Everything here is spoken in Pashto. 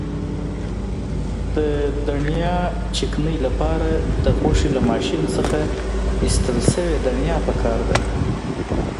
د دڼیا چکنۍ لپاره د غوښې له ماشین څخه ایستل شوې دڼیا پکار ده.